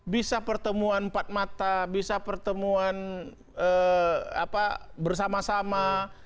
bisa pertemuan empat mata bisa pertemuan bersama sama